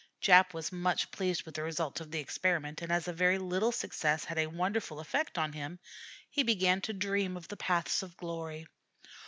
Jap was much pleased with the result of the experiment, and as a very little success had a wonderful effect on him, he began to dream of the paths of glory.